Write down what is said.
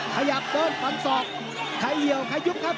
ขยับเดินฟันศอกใครเหี่ยวใครยุบครับ